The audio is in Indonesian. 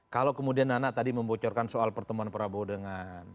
kalau kemudian nana tadi membocorkan soal pertemuan prabowo dengan